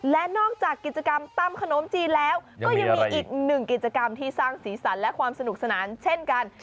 และนอกจากกิจกรรมตำขนมจีนแล้วก็ยังมีอีกหนึ่งกิจกรรมที่สร้างสีสันและความสนุกสนานเช่นกัน